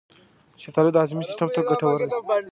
شفتالو د هاضمې سیستم ته ګټور دی.